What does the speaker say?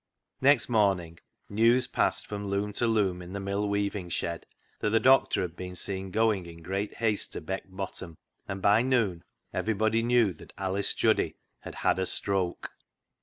Next morning news passed from loom to loom in the mill weaving shed that the doctor had been seen going in great haste to Beck Bottom, and by noon everybody knew that Alice Juddy had had a stroke.